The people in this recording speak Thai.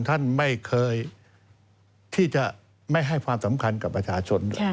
ท่านไม่เคยที่จะไม่ให้ความสำคัญกับประชาชน